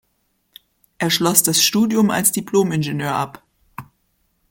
Er schloss das Studium als Diplomingenieur ab.